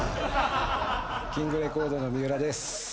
キングレコードの三浦です。